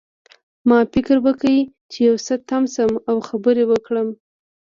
ما فکر وکړ چې یو څه تم شم او خبرې وکړم